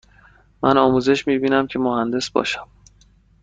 من آموزش می بینم که مهندس باشم.